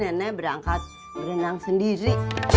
nenek berangkat berenang sendiri